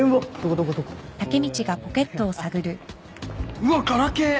うわっガラケー！